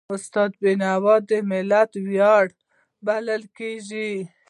استاد بینوا د ملت ویاند بلل کېږي.